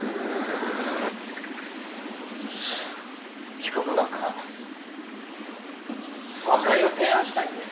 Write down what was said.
被告側から和解を提案したいんです。